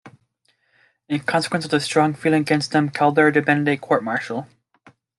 In consequence of the strong feeling against him Calder demanded a court-martial.